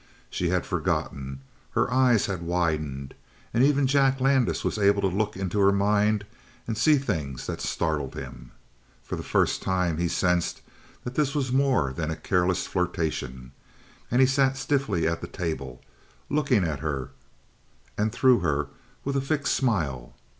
She had forgotten; her eyes had widened; and even Jack Landis was able to look into her mind and see things that startled him. For the first time he sensed that this was more than a careless flirtation. And he sat stiffly at the table, looking at her and through her with a fixed smile.